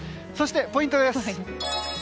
そして、ポイントです。